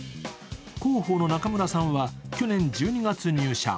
広報の中村さんは去年１２月入社。